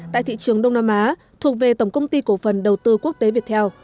tại thị trường đông nam á thuộc về tổng công ty cổ phần đầu tư quốc tế viettel